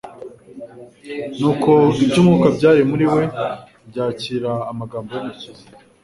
Nuko iby'umwuka byari muri we byakira amagambo y'Umukiza.